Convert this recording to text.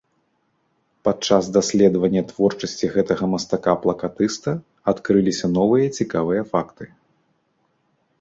Падчас даследавання творчасці гэтага мастака-плакатыста адкрыліся новыя цікавыя факты.